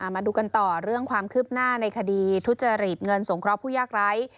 มาดูกันต่อเรื่องความคืบหน้าในคดีทุจริตเงินสงเคราะห์ผู้ยากไร้